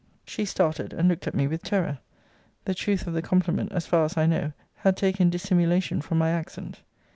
She started, and looked at me with terror. The truth of the compliment, as far as I know, had taken dissimulation from my accent.